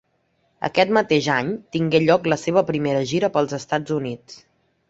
Aquest mateix any tingué lloc la seva primera gira pels Estats Units.